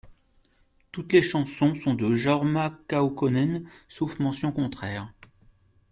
Toutes les chansons sont de Jorma Kaukonen, sauf mention contraire.